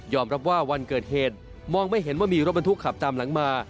รับว่าวันเกิดเหตุมองไม่เห็นว่ามีรถบรรทุกขับตามหลังมา